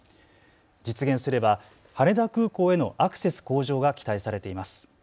実現すれば羽田空港へのアクセス向上が期待されています。